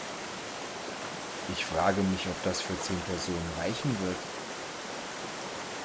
Ich frag' mich, ob das für zehn Personen reichen wird!?